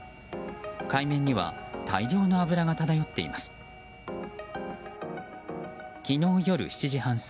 海面には大量の油が漂っています。